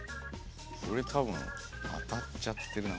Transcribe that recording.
俺多分当たっちゃってるな。